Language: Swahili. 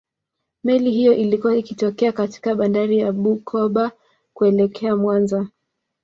meli hiyo ilikuwa ikitokea katika bandari ya bukoba kuelekea mwanza